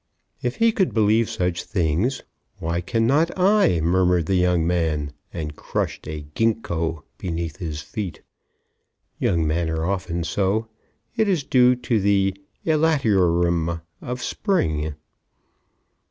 "If he could believe such things, why can not I?" murmured the young man, and crushed a ginkgo beneath his feet. Young men are often so. It is due to the elaterium of spring.